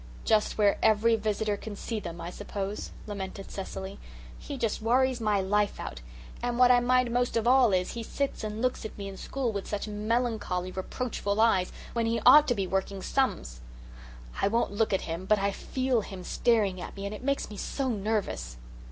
"Just where every visitor can see them, I suppose," lamented Cecily. "He just worries my life out. And what I mind most of all is, he sits and looks at me in school with such melancholy, reproachful eyes when he ought to be working sums. I won't look at him, but I FEEL him staring at me, and it makes me so nervous."